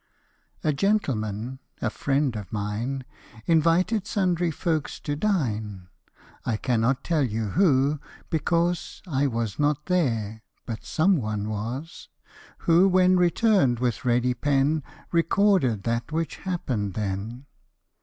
A GENTLEMAN (a friend of mine) Invited sundry folks to dine ; I cannot tell you who, because I was not there ; hut some one was, Who, when return'd, with ready pen Recorded that which happen'd then.